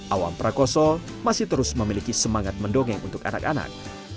awam prakoso masih terus memiliki semangat mendongeng untuk anak anak